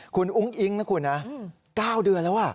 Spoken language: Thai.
คุณอุ้งอิ๊งนะคุณนะ๙เดือนแล้ว